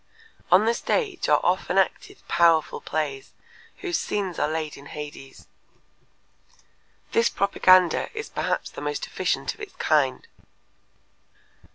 On the stage are often acted powerful plays whose scenes are laid in Hades. This propaganda is perhaps the most efficient of its kind.